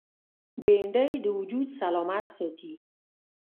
بېنډۍ د وجود سلامت ساتي